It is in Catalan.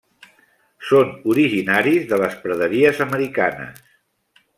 Són originaris de les praderies americanes.